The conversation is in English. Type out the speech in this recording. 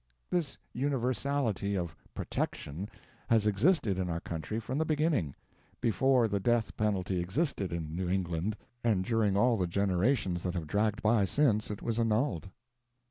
This universality of "protection" has existed in our country from the beginning; before the death penalty existed in New England, and during all the generations that have dragged by since it was annulled.